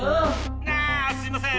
ああすいません